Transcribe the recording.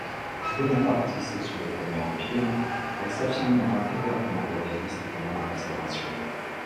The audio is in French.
Bonapartiste sous le Premier Empire, elle s’affirmera ouvertement royaliste pendant la Restauration.